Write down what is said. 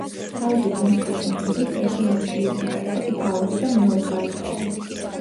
თავისი ფუნქციის მიხედვით პერსონაჟი შეიძლება იყოს მთავარი და მეორეხარისხოვანი.